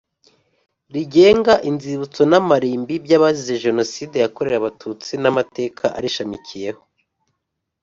rigenga inzibutso n amarimbi by abazize Jenoside yakorewe Abatutsi n Amateka arishamikiyeho